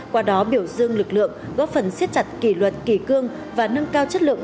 qua đó biểu dương lực lượng góp phần siết chặt kỷ luật kỳ cương và nâng cao chất lượng